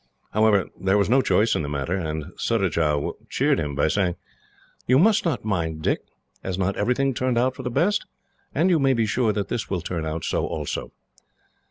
However, there was no choice in the matter, and Surajah cheered him by saying: "You must not mind, Dick. Has not everything turned out for the best? And you may be sure that this will turn out so, also."